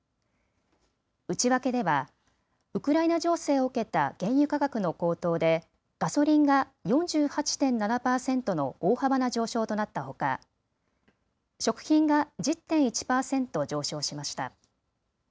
内訳ではウクライナ情勢を受けた原油価格の高騰でガソリンが４８．７％の大幅な上昇となったほか食品が１０．１％上昇しました。